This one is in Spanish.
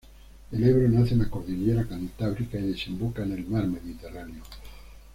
El Ebro nace en la cordillera Cantábrica y desemboca en el mar Mediterráneo.